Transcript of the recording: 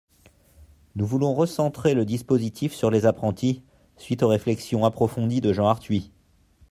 Nous voulons recentrer le dispositif sur les apprentis, suite aux réflexions approfondies de Jean Arthuis.